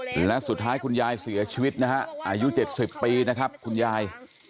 และสุดท้ายคุณยายเสียชีวิตนะฮะอายุ๗๐ปีนะครับคุณยาย